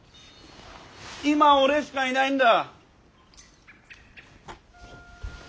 今俺しかいないんだ。